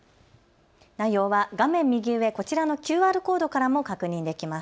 内容は画面右上、こちらのＱＲコードからも確認できます。